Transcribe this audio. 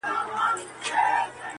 د خان د کوره خو پخه نۀ راځي ,